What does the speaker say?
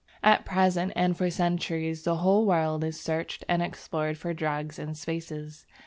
At present, and for centuries past, the whole world is searched and explored for drugs and spices.